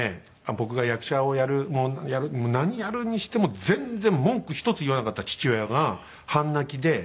僕が役者をやる何やるにしても全然文句ひとつ言わなかった父親が半泣きで